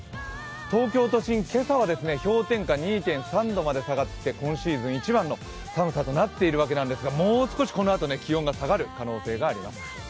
東京都心、今朝は氷点下２．３度まで下がって今シーズン一番の寒さとなっているわけなんですがもう少しこのあと気温が下がる可能性があります。